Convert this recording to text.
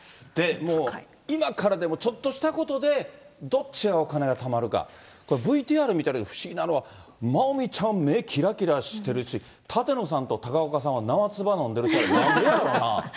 もう、今からでもちょっとしたことで、どっちがお金がたまるか、これ、ＶＴＲ見てると不思議なのは、まおみちゃん、目、きらきらしてるし、舘野さんと高岡さんは、生つば飲んでるし、なんでやろな。